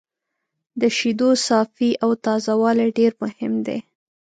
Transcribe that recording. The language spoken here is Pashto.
د شیدو صافي او تازه والی ډېر مهم دی.